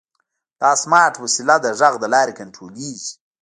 دا سمارټ وسیله د غږ له لارې کنټرولېږي.